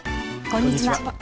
こんにちは。